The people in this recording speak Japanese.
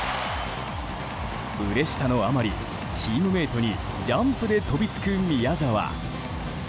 うれしさのあまりチームメートにジャンプで飛びつく宮澤。